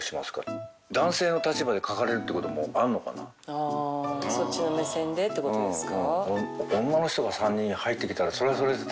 あそっちの目線でってことですか？